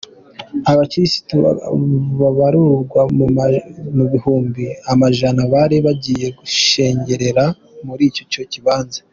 Abakirisu baharugwa mu bihumbi amajana bari bagiye gushengerera muri ico kibanza.